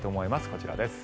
こちらです。